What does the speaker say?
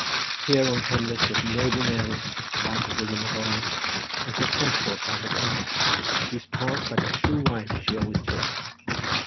Here, on canvas, was noble Mary the wife of William of Orange, and her consort by her side, whose part like a true wife she always took.